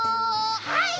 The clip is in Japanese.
はい！